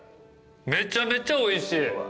めちゃめちゃおいしい。